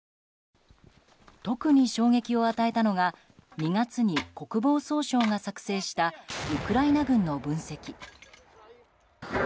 特に衝撃を与えたのが２月に国防総省が作成したウクライナ軍の分析。